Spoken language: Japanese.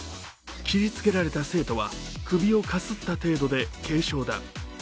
切りつけられた生徒は首をかすった程度で軽傷だ。